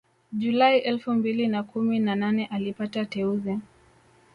Julai elfu mbili na kumi na nane alipata teuzi